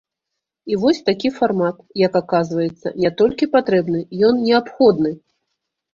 І вось такі фармат, як аказваецца, не толькі патрэбны, ён неабходны.